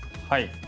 はい。